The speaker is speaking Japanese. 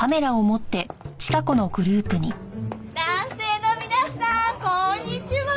男性の皆さんこんにちは！